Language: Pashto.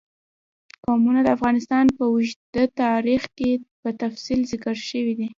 قومونه د افغانستان په اوږده تاریخ کې په تفصیل ذکر شوی دی.